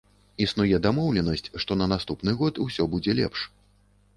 Ёсць дамоўленасць, што на наступны год усё будзе лепш.